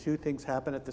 jadi kita mengatakan